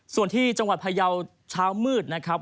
ส่วนที่จังหวัดพยาวเช้ามืดนะครับ